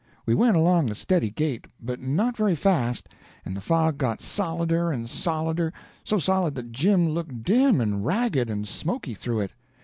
We went along a steady gait, but not very fast, and the fog got solider and solider, so solid that Jim looked dim and ragged and smoky through it.